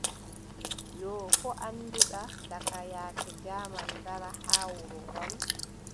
Yoo, koo annduɗa daka yaake jaaman ngara haa wuro ngol ?